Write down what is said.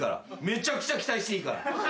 めちゃくちゃ期待していいから。